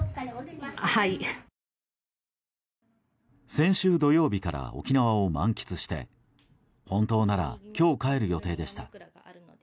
先週土曜日から沖縄を満喫して本当なら今日帰る予定でした。